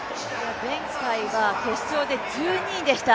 前回は決勝で１２位でした。